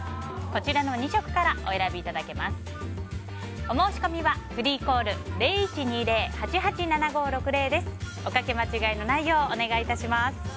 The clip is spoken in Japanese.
こちらの２色からお選びいただけます。